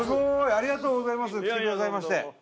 ありがとうございます来てくださいまして。